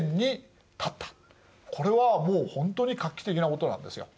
これはもうほんとに画期的なことなんですよ。